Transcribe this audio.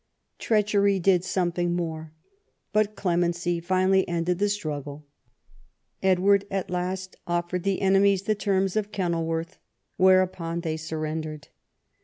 Treachery did something more. But clemency finally ended the struggle. Edward at last offered the enemy the terms of Kenil worth, whereupon they surrendered.